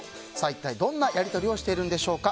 一体どんなやり取りをしているのでしょうか。